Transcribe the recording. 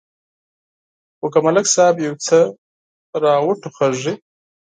خو که ملک صاحب یو څه را وټوخېږي.